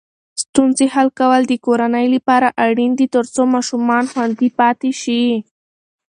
ستونزې حل کول د کورنۍ لپاره اړین دي ترڅو ماشومان خوندي پاتې شي.